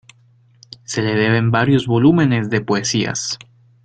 Se le deben varios volúmenes de poesías.